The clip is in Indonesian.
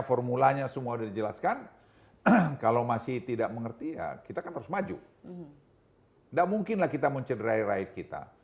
formulanya semua sudah dijelaskan kalau masih tidak mengerti ya kita kan harus maju tidak mungkinlah kita mencederai rakyat kita